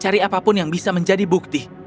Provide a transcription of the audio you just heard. mencari apapun yang bisa menjadi bukti